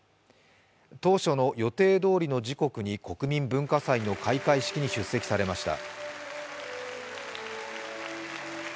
当初の予定どおりの時刻に国民文化祭の開会式に出席されました。